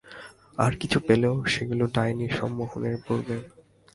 আর কিছু পেলেও সেগুলো ডাইনির সম্মোহনের পূর্বে।